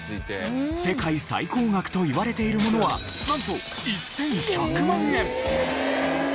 世界最高額といわれているものはなんと１１００万円！